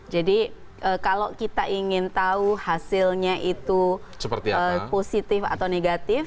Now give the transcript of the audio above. jadi kalau kita ingin tahu hasilnya itu positif atau negatif